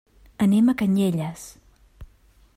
Anem a Canyelles.